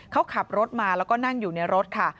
เขาขับรถมาแล้วก็นั่งอยู่ในรถค่ะ